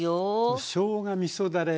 しょうがみそだれ